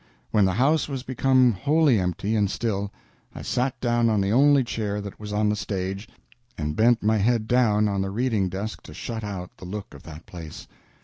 When the house was become wholly empty and still, I sat down on the only chair that was on the stage and bent my head down on the reading desk to shut out the look of that place.